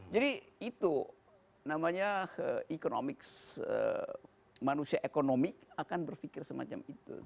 jadi itu namanya ekonomik manusia ekonomi akan berpikir semacam itu